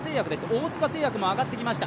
大塚製薬も上がってきました。